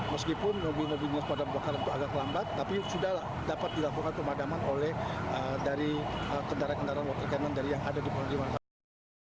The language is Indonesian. meskipun mobil mobil pemadam kebakaran itu agak lambat tapi sudah dapat dilakukan pemadaman oleh dari kendaraan kendaraan water cannon dari yang ada di pemukiman saat ini